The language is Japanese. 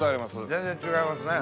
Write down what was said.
全然違いますね。